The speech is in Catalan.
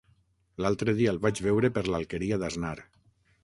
L'altre dia el vaig veure per l'Alqueria d'Asnar.